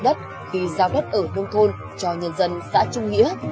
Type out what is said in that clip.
đất khi giao đất ở nông thôn cho nhân dân xã trung nghĩa